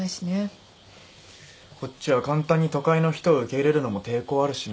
こっちは簡単に都会の人を受け入れるのも抵抗あるしな。